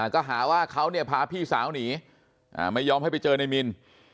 ก็หาว่าเขาเนี่ยพาพี่สาวหนีไม่ยอมให้ไปเจอในมิน